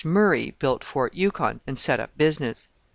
Murray built Fort Yukon, and set up business.